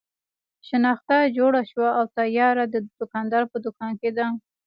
شنخته جوړه او تیاره د دوکاندار په دوکان کې ده.